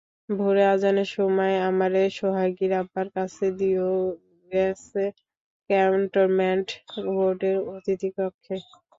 ভোরে আজানের সময় আমারে সোহাগীর আব্বার কাছে দিয়ো গ্যাছে ক্যান্টনমেন্ট বোর্ডের অতিথিকক্ষে।